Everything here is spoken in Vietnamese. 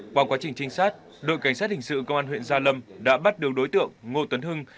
qua quá trình trinh sát đội cảnh sát hình sự công an huyện gia lâm đã bắt được đối tượng ngô tuấn hưng